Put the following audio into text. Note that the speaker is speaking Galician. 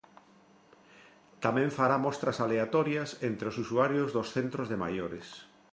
Tamén fará mostras aleatorias entre os usuarios dos centros de maiores.